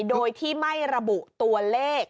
โดยที่ไม่ระบุตัวเลข